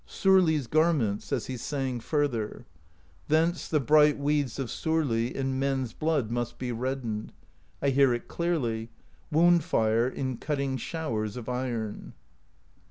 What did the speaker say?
Sorli's Garments, as he sang further: Thence the bright Weeds of Sorli In men's blood must be reddened; I hear it clearly: Wound Fire In cutting showers of iron.